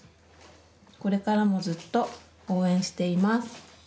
これからもずっと応援しています。